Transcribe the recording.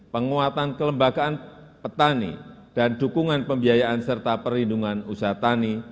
penguatan kelembagaan petani dan dukungan pembiayaan serta perlindungan usaha tani